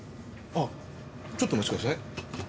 ああちょっとお待ちください。